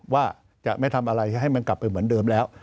ว่าจะไม่ทำอะไรให้มันกลับไปเหมือนเดิมแล้ว